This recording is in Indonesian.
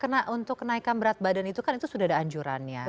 karena untuk kenaikan berat badan itu kan itu sudah ada anjurannya